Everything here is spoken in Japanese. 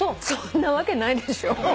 そんなわけないでしょ？